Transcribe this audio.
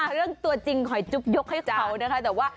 เรื่องตัวจริงขอจุ๊บยกให้เขานะคะ